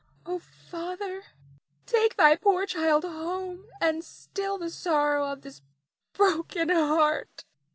Oh, Father, take thy poor child home, and still the sorrow of this broken heart.